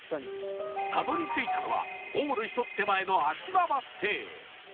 たどり着いたのはゴール１つ手前の芦間バス停